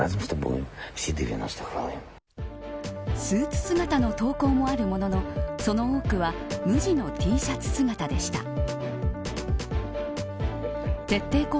スーツ姿の投稿もあるもののその多くは無地のＴシャツ姿でした。